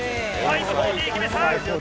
５４０決めた！